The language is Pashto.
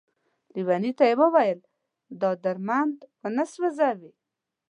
ليوني ته يې ويل دا درمند ونه سوځې ،